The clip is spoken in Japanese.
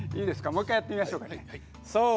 もう一度やってみましょう。